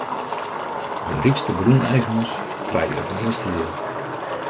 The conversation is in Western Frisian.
De rykste grûneigeners krije it measte jild.